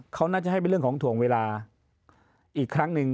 เขาน่าจะให้เป็นเรื่องของถ่วงเวลาอีกครั้งหนึ่ง